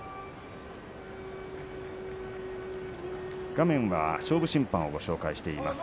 画面は勝負審判をご紹介しています。